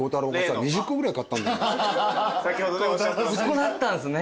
そこだったんですね